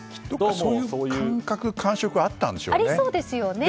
そういう感触があったんでしょうね。